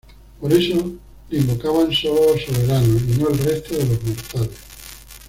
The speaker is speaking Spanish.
Por eso le invocaban solo los soberanos y no el resto de los mortales.